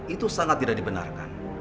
itu sangat tidak dibenarkan